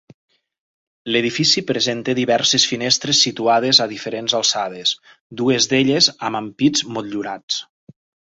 L'edifici presenta diverses finestres situades a diferents alçades, dues d'elles amb ampits motllurats.